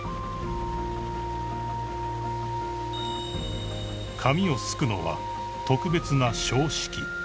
［紙をすくのは特別な］